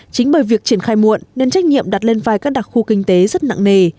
chính bởi việc triển khai muộn nên trách nhiệm đặt lên vai các đặc khu kinh tế rất nặng nề